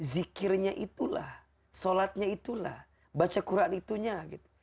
zikirnya itulah sholatnya itulah baca quran itunya gitu